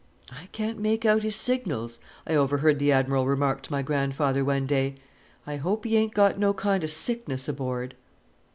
"I can't make out his signals," I overheard the Admiral remark to my grandfather one day. "I hope he ain't got no kind of sickness aboard."